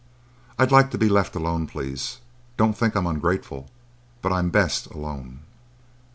"I'd like to be left alone, please. Don't think I'm ungrateful; but I'm best alone."